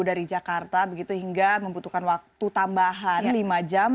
dari jakarta begitu hingga membutuhkan waktu tambahan lima jam